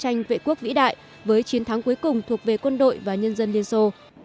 đó là một chiến tranh vệ quốc vĩ đại với chiến thắng cuối cùng thuộc về quân đội và nhân dân liên xô